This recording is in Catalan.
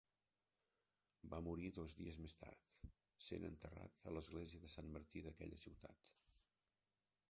Va morir dos dies més tard, sent enterrat a l'església de Sant Martí d'aquella ciutat.